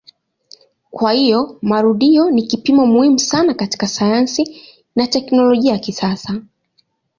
Kwa hiyo marudio ni kipimo muhimu sana katika sayansi na teknolojia ya kisasa.